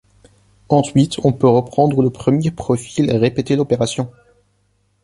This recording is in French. Ensuite on peut reprendre le premier profil et répéter l'opération.